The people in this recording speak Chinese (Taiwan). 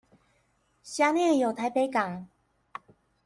轄內有臺北港